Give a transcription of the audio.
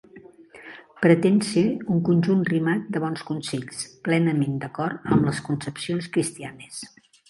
Pretén ser un conjunt rimat de bons consells, plenament d'acord amb les concepcions cristianes.